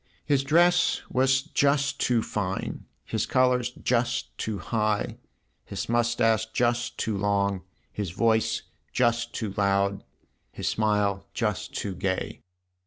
His dress was just too fine, his colour just too high, his moustache just too long, his voice just too loud, his smile just too gay.